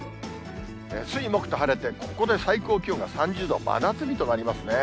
水、木と晴れて、ここで最高気温が３０度、真夏日となりますね。